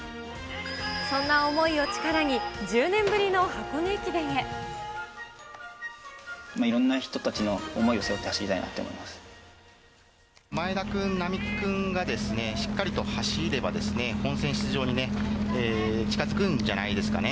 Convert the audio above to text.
そんな思いを力に、１０年ぶいろんな人たちの思いを背負前田君、並木君がしっかりと走れば、本選出場にね、近づくんじゃないですかね。